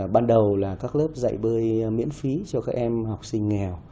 ban đầu là các lớp dạy bơi miễn phí cho các em học sinh nghèo